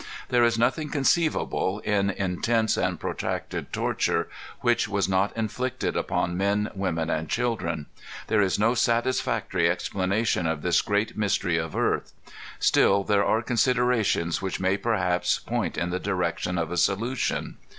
There is nothing conceivable, in intense and protracted torture, which was not inflicted upon men, women, and children. There is no satisfactory explanation of this great mystery of earth. Still there are considerations which may perhaps point in the direction of a solution.